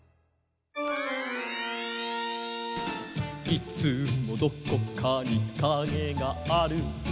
「いつもどこかにカゲがある」